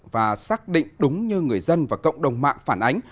và xác định đúng như người dân và cộng đồng mạng phản ánh